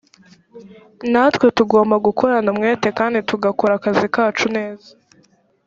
natwe tugomba gukorana umwete kandi tugakora akazi kacu neza